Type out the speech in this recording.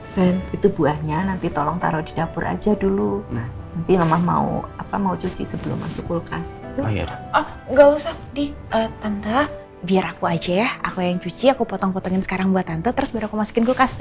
berpadianya belum woman kayak apresi bizarre jika omanya menang semua thesis only